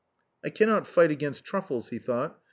" I cannot fight against truffles, " he thought.